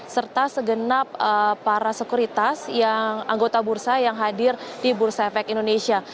serta segenap para sekuritas yang anggota bursa yang hadir di bursa efek indonesia